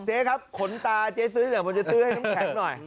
เจ๊ครับขนตาเจ๊ซื้อหน่อยผมจะซื้อให้น้ำแข็งหน่อย